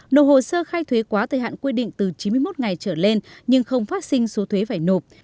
nộp hồ sơ khai thuế quá thời hạn quy định từ chín mươi một ngày trở lên nhưng không phát sinh số thuế phải nộp